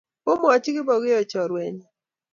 Kimwoch Kipokeo chorwenyi